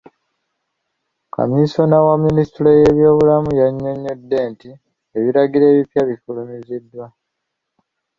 Kamisona mu Ministule y'ebyobulamu, yannyonnyodde nti ebiragiro ebipya byafulumiziddwa .